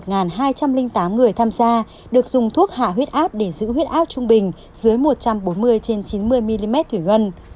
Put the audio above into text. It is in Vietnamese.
một hai trăm linh tám người tham gia được dùng thuốc hạ huyết áp để giữ huyết áp trung bình dưới một trăm bốn mươi trên chín mươi mm thủy ngân